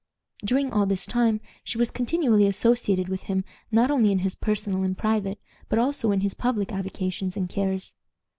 During all this time she was continually associated with him not only in his personal and private, but also in his public avocations and cares.